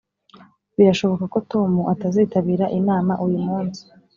[birashoboka ko tom atazitabira inama uyu munsi.